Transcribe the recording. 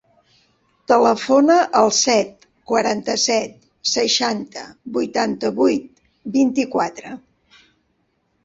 Telefona al set, quaranta-set, seixanta, vuitanta-vuit, vint-i-quatre.